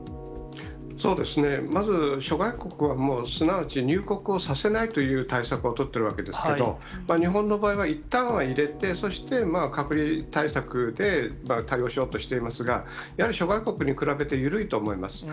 そうですね、まず諸外国はもう、すなわち入国をさせないという対策を取ってるわけですけど、日本の場合は、いったんは入れて、そして、隔離対策で対応しようとしていますが、やはり諸外国に比べて緩いと思います。